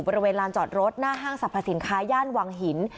บริเวณลานจอดรถหน้าห้างสรรพสินค้าย่านวังหิน